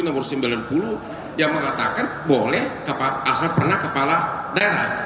nomor sembilan puluh yang mengatakan boleh asal pernah kepala daerah